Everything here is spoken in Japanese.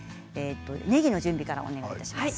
ねぎの準備からお願いします。